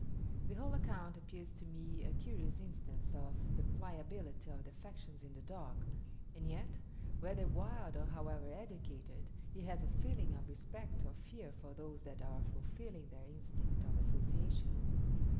The whole account appears to me a curious instance of the pliability of the affections in the dog; and yet, whether wild or however educated, he has a feeling of respect or fear for those that are fulfilling their instinct of association.